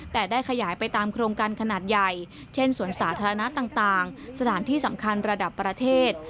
แต่ได้ขยายไปตามโครงการขนาดใหญ่เช่นสวนสาธารณะต่างสถานที่สำคัญระดับประเทศ